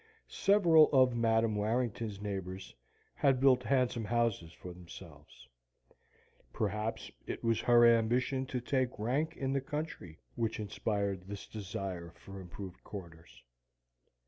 Several of Madam Warrington's neighbours had built handsome houses for themselves; perhaps it was her ambition to take rank in the country, which inspired this desire for improved quarters.